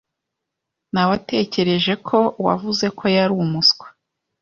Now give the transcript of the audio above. Nawetekereje ko wavuze ko yari umuswa.